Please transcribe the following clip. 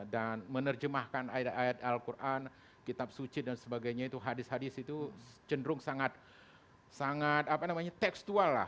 dan menerjemahkan ayat ayat al quran kitab suci dan sebagainya itu hadis hadis itu cenderung sangat tekstual